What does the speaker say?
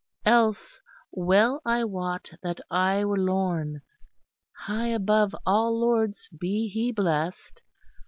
Else well I wot that I were lorn (High above all lords be he blest!)